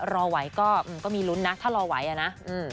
แล้วก็รอดูดีกว่าค่ะ